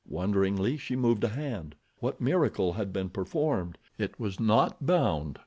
Wonderingly she moved a hand. What miracle had been performed? It was not bound!